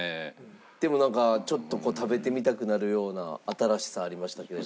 でもなんかちょっと食べてみたくなるような新しさありましたけれど。